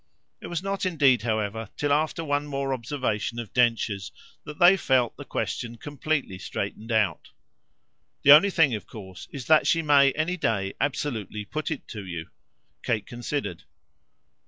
It was not indeed however till after one more observation of Densher's that they felt the question completely straightened out. "The only thing of course is that she may any day absolutely put it to you." Kate considered.